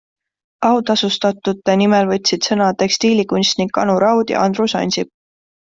Autasustatute nimel võtsid sõna tekstiilikunstnik Anu Raud ja Andrus Ansip.